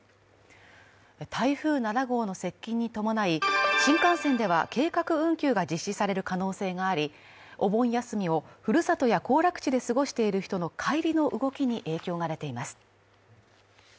台風７号の接近に伴い新幹線では、計画運休が実施される可能性があり、お盆休みをふるさとや行楽地で過ごしている人の帰りの動きに影響が出ています。